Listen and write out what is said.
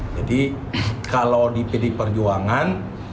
jadi kalau di pdi perjuangan